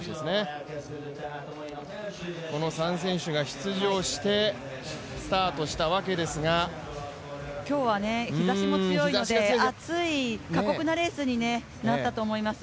この３選手が出場してスタートしたわけですが今日は日ざしも強いので、暑い過酷なレースになったと思いますよ。